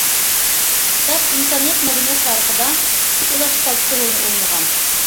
كىتاب ئىنسانىيەت مەدەنىيەت تارىخىدا كۈچ ئۇلاش كالتىكى رولىنى ئوينىغان.